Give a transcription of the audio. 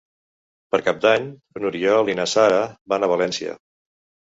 Per Cap d'Any n'Oriol i na Sara van a València.